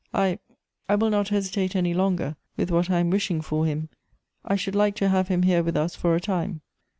I — I will not hesitate any longer with what I am wishing for him. I should like to have him here with us for a time."